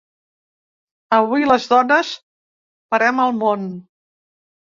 Avui les dones parem el món!